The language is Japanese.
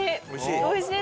おいしい？